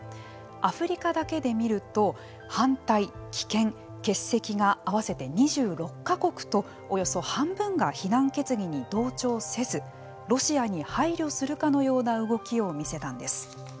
アフリカだけで見ると反対、棄権、欠席が合わせて２６か国とおよそ半分が非難決議に同調せずロシアに配慮するかのような動きを見せたんです。